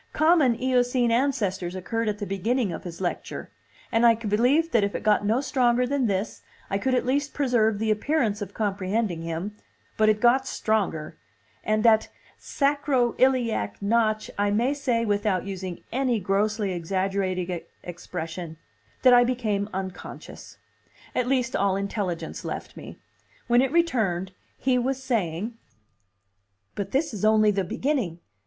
Common Eocene ancestors occurred at the beginning of his lecture; and I believed that if it got no stronger than this, I could at least preserve the appearance of comprehending him; but it got stronger, and at sacro iliac notch I may say, without using any grossly exaggerated expression, that I became unconscious. At least, all intelligence left me. When it returned, he was saying. "But this is only the beginning.